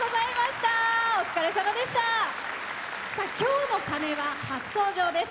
そして今日の鐘は初登場です。